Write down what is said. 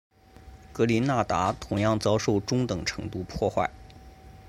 格林纳达同样遭受中等程度破坏。